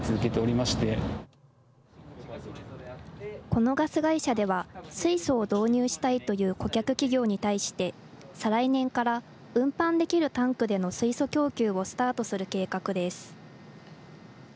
このガス会社では、水素を導入したいという顧客企業に対して、再来年から運搬できるタンクでの水素供給をスタートする計画です。